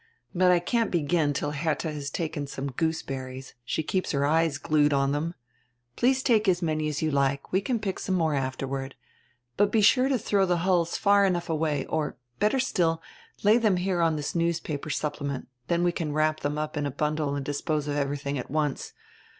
But I can't begin till Hertlia has taken some gooseberries; she keeps her eyes glued on diem. Please take as many as you like, we can pick some more afterward. But be sure to dirow die hulls far enough away, or, better still, lay diem here on diis newspaper supplement, dien we can wrap diem up in a bundle and dispose of everything at once.